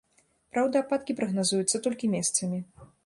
Праўда, ападкі прагназуюцца толькі месцамі.